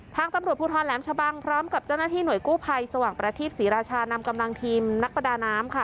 ทางตำรวจภูทรแหลมชะบังพร้อมกับเจ้าหน้าที่หน่วยกู้ภัยสว่างประทีปศรีราชานำกำลังทีมนักประดาน้ำค่ะ